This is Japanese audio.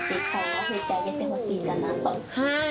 はい。